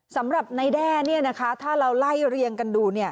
สำหรับในแด้นี้นะคะถ้าเราไล่เรียงกันดู